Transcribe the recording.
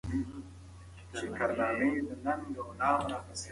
هیلې له بالکن څخه لاندې وکتل.